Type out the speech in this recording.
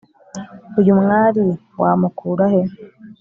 uyu mwali wamukurahe